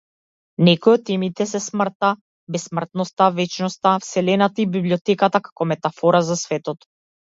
Некои од темите се смртта, бесмртноста, вечноста, вселената и библиотеката како метафора за светот.